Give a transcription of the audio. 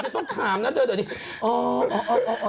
ต้องถามนะเจ้าเดี๋ยวดี